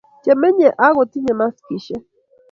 chemenye ak kotinye maskishek